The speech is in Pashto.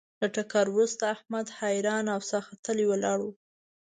له ټکر ورسته احمد حیران او ساه ختلی ولاړ و.